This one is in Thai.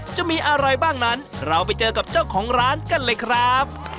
จะมีอะไรบ้างนั้นเราไปเจอกับเจ้าของร้านกันเลยครับ